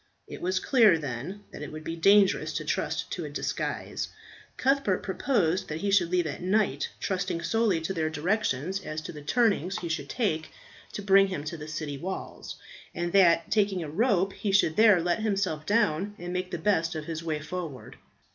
It was clear, then, that it would be dangerous to trust to a disguise. Cuthbert proposed that he should leave at night, trusting solely to their directions as to the turnings he should take to bring him to the city walls, and that, taking a rope, he should there let himself down, and make the best of his way forward.